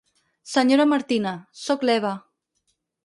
Senyora Martina, soc l'Eva.